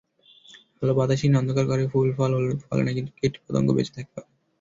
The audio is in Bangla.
আলো-বাতাসহীন অন্ধকার ঘরে ফুল-ফল ফলে না, কিন্তু কীটপতঙ্গ বেঁচে থাকতে পারে।